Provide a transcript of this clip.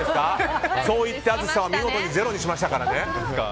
そういって淳さんは見事にゼロにしましたからね。